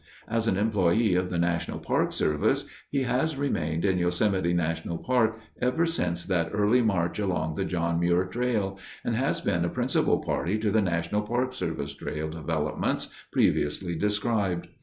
As an employee of the National Park Service, he has remained in Yosemite National Park ever since that early march along the John Muir Trail and has been a principal party to the National Park Service trail developments previously described.